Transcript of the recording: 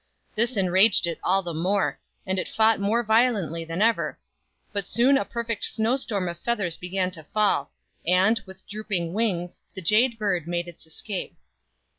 This enraged it all the more, and it fought more violently than ever ; but soon a perfect snowstorm of feathers began to fall, and, with drooping wings, the Jade bird made its escape.